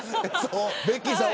ベッキーさん